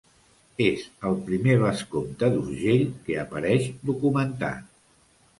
És el primer vescomte d'Urgell que apareix documentat.